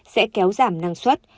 sẽ kéo giảm năng suất